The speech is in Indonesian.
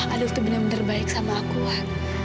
adil tuh bener bener baik sama aku wah